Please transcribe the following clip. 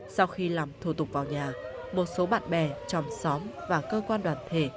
sau khi làm thủ tục vào nhà một số bạn bè trong xóm và cơ quan đoàn thể